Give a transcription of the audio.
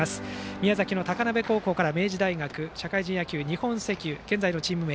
宮崎の高鍋高校から明治大学社会人野球、日本石油現在のチーム名